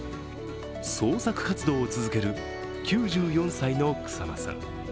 創作活動を続ける９４歳の草間さん。